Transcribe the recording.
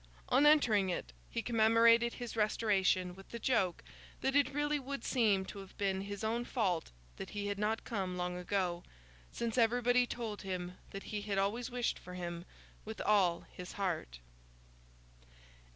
On entering it, he commemorated his Restoration with the joke that it really would seem to have been his own fault that he had not come long ago, since everybody told him that he had always wished for him with all his heart.